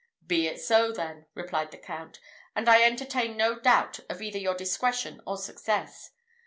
"Be it so then," replied the Count; "and I entertain no doubt of either your discretion or success.